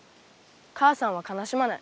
母さんは悲しまない。